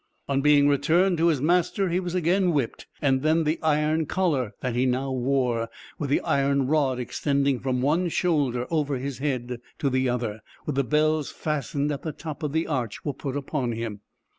On being returned to his master, he was again whipped, and then the iron collar that he now wore, with the iron rod extending from one shoulder over his head to the other, with the bells fastened at the top of the arch, were put upon him.